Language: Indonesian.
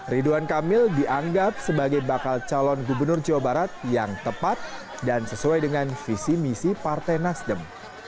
ridwan kamil dianggap sebagai bakal calon gubernur jawa barat yang tepat dan sesuai dengan visi misi partai nasdem